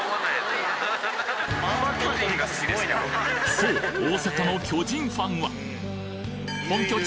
そう大阪の巨人ファンは本拠地